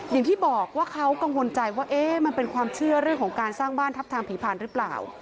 อย่างที่บอกว่าเขากังวลใจว่ามันเป็นความเชื่อเรื่องของการสร้างบ้านทับทางผีพานหรือเปล่า